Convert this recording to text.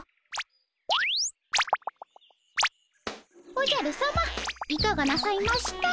おじゃるさまいかがなさいました？